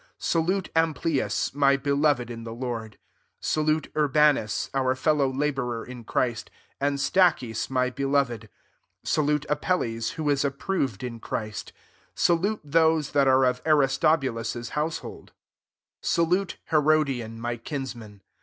8 ^alute Amplias, my beloved in jhe Lord. 9 Salute Urbanus, ^ur fellow labourer in Christ; md Stachys, my beloved. 10 Salute Apelles, who is approved fD Christ. Salute those that are ^ Aristobulus's household, 11 lalute Herodiani my kinsman.